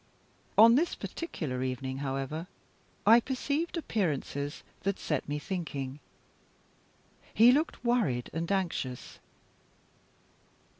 On this particular evening, however, I perceived appearances that set me thinking; he looked worried and anxious.